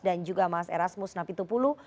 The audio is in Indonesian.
dan juga mas erasmus navitupulu